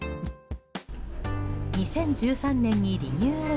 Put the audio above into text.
２０１３年にリニューアル